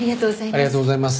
ありがとうございます。